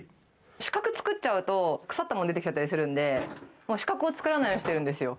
死角作っちゃうと、腐ったもの出てきちゃったりするんで、もう死角を作らないようにしてるんですよ。